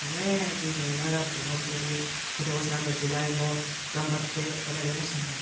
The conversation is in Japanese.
随分長く本当に子どもさんの時代も頑張っておられましたもんね。